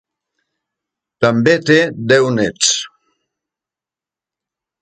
També té deu néts.